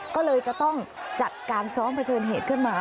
ก็เลยจะต้องจัดการซ้อมเผชิญเหตุขึ้นมา